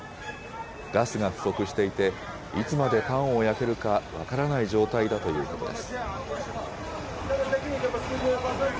ガスが不足していて、いつまでパンを焼けるか分からない状態だということです。